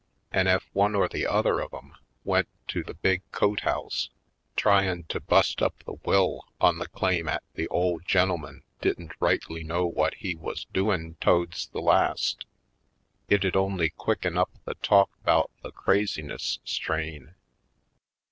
An' ef one or the other of 'em went to the big cote house tryin' to bust up the will on the claim 'at the ole gen'el man didn't rightly know whut he wuz do in' to'des the last, it'd only quicken up the talk 'bout the craziness strain.